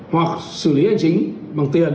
hoặc xử lý hành chính bằng tiền